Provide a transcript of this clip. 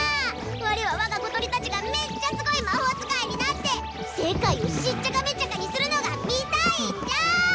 我は我が小鳥達がめっちゃすごい魔法使いになって世界をしっちゃかめっちゃかにするのが見たいんじゃ！